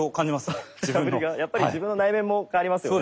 やっぱり自分の内面も変わりますよね。